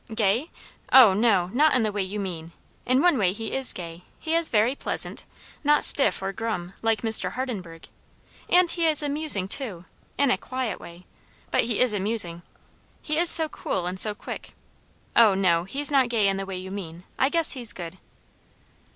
"Gay? O no! not in the way you mean. In one way he is gay; he is very pleasant; not stiff or grum, like Mr. Hardenburgh; and he is amusing too, in a quiet way, but he is amusing; he is so cool and so quick. O no, he's not gay in the way you mean. I guess he's good."